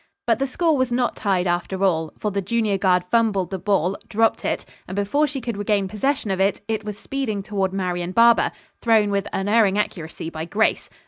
But the score was not tied after all, for the junior guard fumbled the ball, dropped it and before she could regain possession of it, it was speeding toward Marian Barber, thrown with unerring accuracy by Grace.